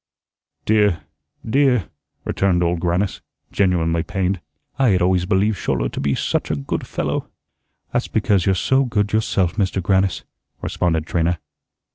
"Dear, dear," returned Old Grannis, genuinely pained. "I had always believed Schouler to be such a good fellow." "That's because you're so good yourself, Mr. Grannis," responded Trina.